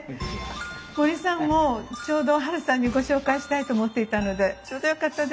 森さんもちょうどハルさんにご紹介したいと思っていたのでちょうどよかったです。